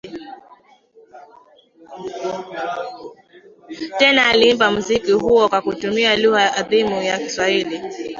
Tena aliimba muziki huo kwa kutumia lugha adhimu ya kiswahili